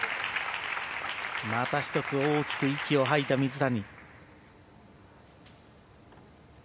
また１つ大きく息を吐いた水谷。